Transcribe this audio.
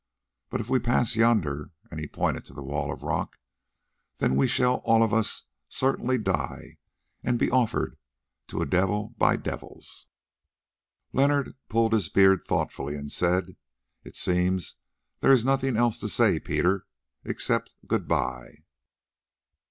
But if we pass yonder," and he pointed to the wall of rock, "then we shall all of us certainly die, and be offered to a devil by devils." Leonard pulled his beard thoughtfully and said: "It seems there is nothing else to say, Peter, except good bye."